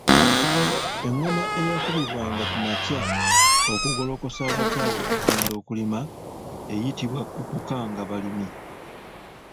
Engoma eyakubibwanga ku makya okugolokosa abakyala okugenda okulima eyitibwa Kuukukkangabalimi.